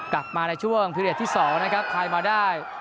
กลับมาในช่วงพิเรียสที่๒นะครับไทยมาได้